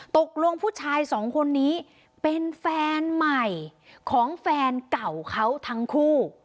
ตกลงผู้ชายสองคนนี้เป็นแฟนใหม่ของแฟนเก่าเขาทั้งคู่